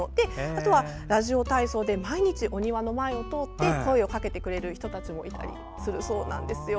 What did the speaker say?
あとラジオ体操で毎日お庭の前を通って声をかけてくれる人たちもいたりするそうです。